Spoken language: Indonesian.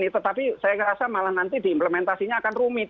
tetapi saya rasa malah nanti diimplementasinya akan rumit